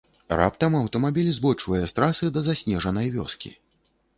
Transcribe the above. Раптам аўтамабіль збочвае з трасы да заснежанай вёскі.